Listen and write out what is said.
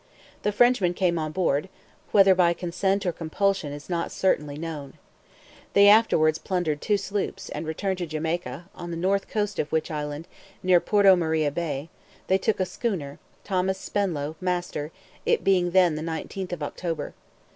The Frenchmen came on board, whether by consent or compulsion is not certainly known. They afterwards plundered two sloops, and returned to Jamaica, on the north coast of which island, near Porto Maria Bay, they took a schooner, Thomas Spenlow, master, it being then the 19th of October.